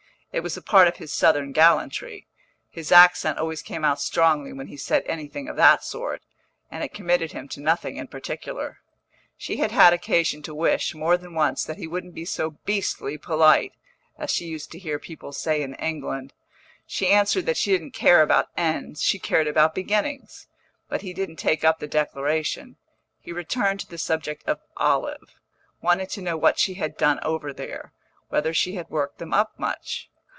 It was a part of his Southern gallantry his accent always came out strongly when he said anything of that sort and it committed him to nothing in particular. She had had occasion to wish, more than once, that he wouldn't be so beastly polite, as she used to hear people say in England. She answered that she didn't care about ends, she cared about beginnings; but he didn't take up the declaration; he returned to the subject of Olive, wanted to know what she had done over there, whether she had worked them up much.